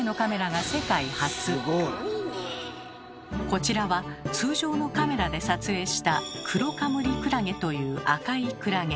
こちらは通常のカメラで撮影したクロカムリクラゲという赤いクラゲ。